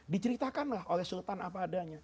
diceritakanlah oleh sultan apa adanya